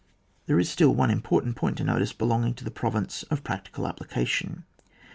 There is still one im portant point to notice belonging to the province of practical application.